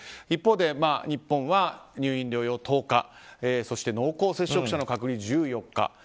一方で日本は入院療養１０日そして濃厚接触者の隔離１４日。